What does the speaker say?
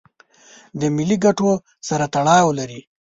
د ملي ګټو سره تړاو لري.